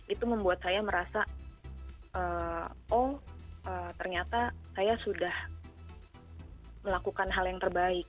itu membuat saya merasa oh ternyata saya sudah melakukan hal yang terbaik